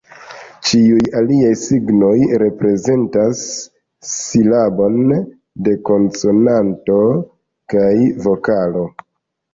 Ĉiuj aliaj signoj, reprezentas silabon de konsonanto kaj vokalo.